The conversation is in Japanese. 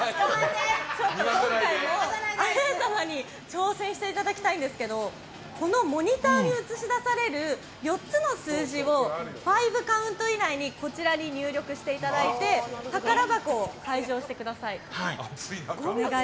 今回もアレン様に挑戦していただきたいんですけどこのモニターに映し出される４つの数字をファイブカウント以内にこちらに入力していただいて宝箱を解錠してください。